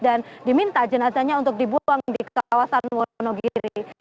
dan diminta jenazahnya untuk dibuang di kawasan muruganogiri